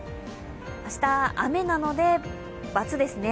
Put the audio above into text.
明日、雨なので、バツですね。